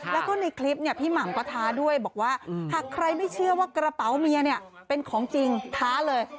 แล้วก็ในคลิปเนี่ยพี่หม่ำก็ท้าด้วยบอกว่าหากใครไม่เชื่อว่ากระเป๋าเมียเนี่ยเป็นของจริงท้าเลย